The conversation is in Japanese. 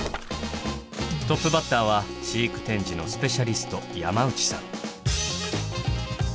トップバッターは飼育展示のスペシャリスト山内さん。